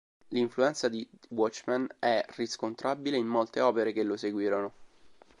L'influenza di "Watchmen" è riscontrabile in molte opere che lo seguirono.